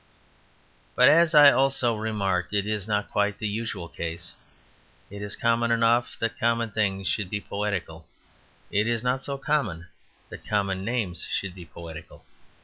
But as I also remarked, it is not quite the usual case. It is common enough that common things should be poetical; it is not so common that common names should be poetical.